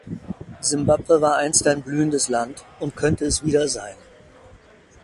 Simbabwe war einst ein blühendes Land und könnte es wieder sein.